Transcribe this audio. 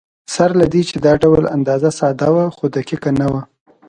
سره له دې چې دا ډول اندازه ساده وه، خو دقیقه نه وه.